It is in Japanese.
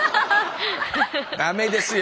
ダメですよ！